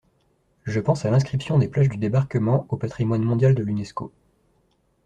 Je pense à l’inscription des plages du débarquement au patrimoine mondial de l’Unesco.